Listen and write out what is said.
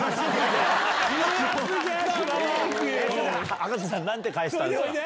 葉加瀬さん何て返したんですか？